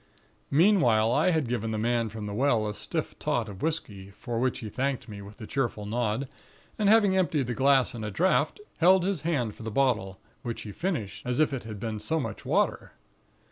"Meanwhile, I had given the man from the well a stiff tot of whisky; for which he thanked me with a cheerful nod, and having emptied the glass at a draft, held his hand for the bottle, which he finished, as if it had been so much water.